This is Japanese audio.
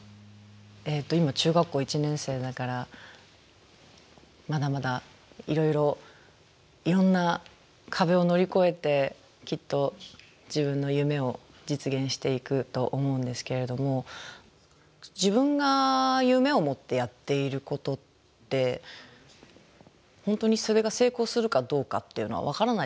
えっと今中学校１年生だからまだまだいろいろいろんな壁を乗り越えてきっと自分の夢を実現していくと思うんですけれども自分が夢を持ってやっていることって本当にそれが成功するかどうかっていうのは分からないじゃないですか。